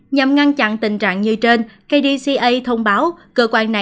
nhằm ngăn chặn tình trạng như trên kdca thông báo